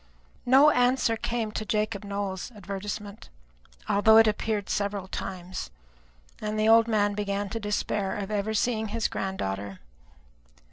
No answer came to Jacob Nowell's advertisement, although it appeared several times; and the old man began to despair of ever seeing his granddaughter.